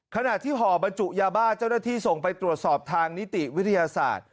ขณะที่ห่อบรรจุยาบ้าเจ้าหน้าที่ส่งไปตรวจสอบทางนิติวิทยาศาสตร์